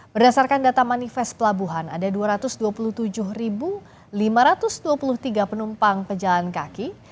berdasarkan data manifest pelabuhan ada dua ratus dua puluh tujuh lima ratus dua puluh tiga penumpang pejalan kaki